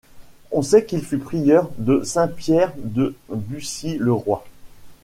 On sait qu'il fut prieur de Saint-Pierre de Bucy-le-Roi.